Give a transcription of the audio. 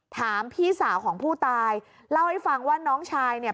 ถามพี่สาวของผู้ตายเล่าให้ฟังว่าน้องชายเนี่ย